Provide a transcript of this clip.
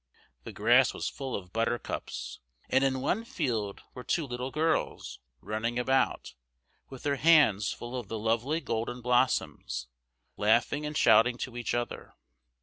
The grass was full of buttercups, and in one field were two little girls, running about, with their hands full of the lovely golden blossoms, laughing and shouting to each other.